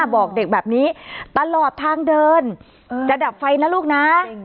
บอกเด็กแบบนี้ตลอดทางเดินจะดับไฟนะลูกนะ